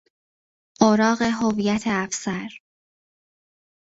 اوراق هویت افسر